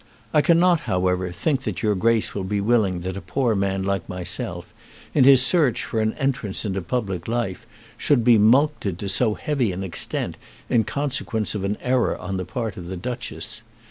I cannot, however, think that your Grace will be willing that a poor man like myself, in his search for an entrance into public life, should be mulcted to so heavy an extent in consequence of an error on the part of the Duchess.